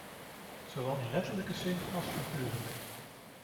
Zowel in letterlijke zin als figuurlijk.